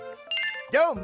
どーも！